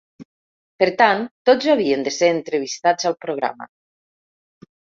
Per tant, tots havien de ser entrevistats al programa.